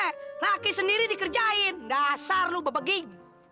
hei laki sendiri dikerjain dasar lu bebegin